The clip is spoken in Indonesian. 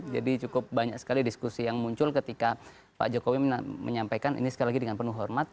jadi cukup banyak sekali diskusi yang muncul ketika pak jokowi menyampaikan ini sekali lagi dengan penuh hormat